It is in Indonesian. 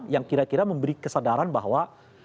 yang kira kira memberi kesadaran bahwa